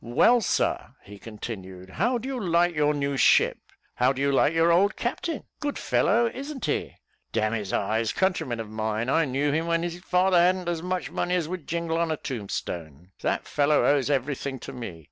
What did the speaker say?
"Well, sir," he continued, "how do you like your new ship how do you like your old captain? good fellow, isn't he? d n his eyes countryman of mine I knew him when his father hadn't as much money as would jingle on a tombstone. That fellow owes every thing to me.